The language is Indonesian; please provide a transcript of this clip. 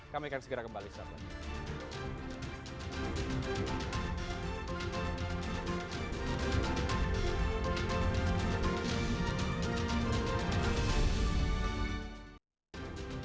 kami akan segera kembali setelah ini